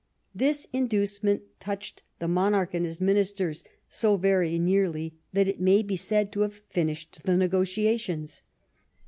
This inducement touched the mon arch and his ministers so very nearlv that it mav be said to have finished the negotiations.